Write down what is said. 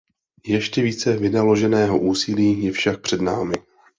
Ještě více vynaloženého úsilí je však před námi.